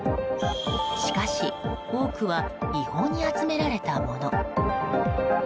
しかし多くは違法に集められたもの。